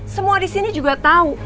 semua disini juga tau